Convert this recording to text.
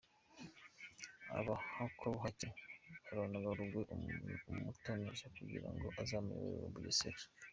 Arahakwaubuhake buranoga, Rugwe aramutonesha kugirango azamuyoborere u Bugesera.